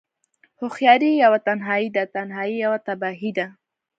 هوښياری يوه تنهايی ده، تنهايی يوه تباهی ده